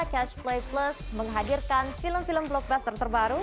catch play plus menghadirkan film film blockbuster terbaru